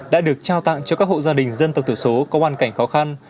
đã được trao tặng cho các hộ gia đình dân tộc thiểu số có hoàn cảnh khó khăn